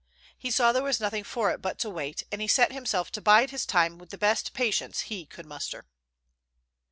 He saw there was nothing for it but to wait, and he set himself to bide his time with the best patience he could muster.